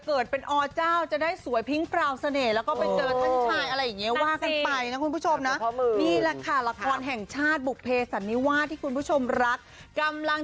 กลางเสียงได้แค่นี้จริง